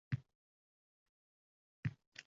Va aksincha, o‘rganishdan to‘xtamaguningcha yashaysan.